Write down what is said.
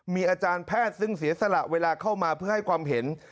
มีอาจารย์แพทย์ซึ่งเสียสละเวลาเข้ามาเพื่อให้ความเห็น